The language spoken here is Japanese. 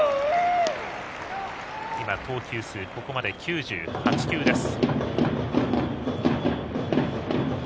投球数はここまで９８球です。